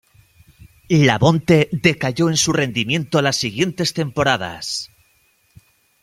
Labonte decayó en su rendimiento las siguientes temporadas.